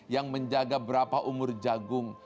yang menjaga berapa umur jagung